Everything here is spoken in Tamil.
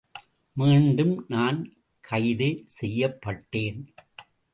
மீண்டும் நான் கைது செய்யப்பட்டேன்.